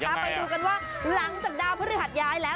ไปดูกันว่าหลังจากดาวพฤหัสย้ายแล้ว